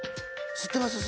吸ってます。